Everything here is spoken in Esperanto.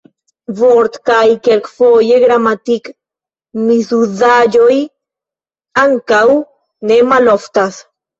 Vort- kaj kelkfoje gramatik-misuzaĵoj ankaŭ ne maloftas.